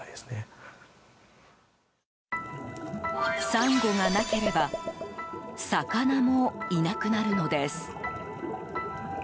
サンゴがなければ魚もいなくなるのです。